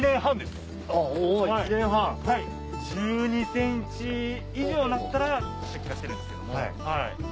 １２ｃｍ以上になったら出荷してるんですけども。